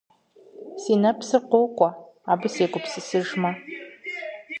Си нэпсхэр къокӀуэ, абы сегупсысыжмэ.